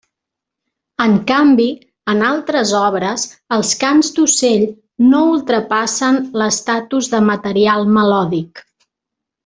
En canvi, en altres obres els cants d'ocell no ultrapassen l'estatus de material melòdic.